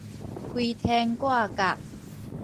飛天掛桷